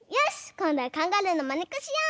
こんどはカンガルーのまねっこしよう！